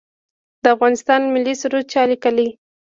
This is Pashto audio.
د افغانستان ملي سرود چا لیکلی؟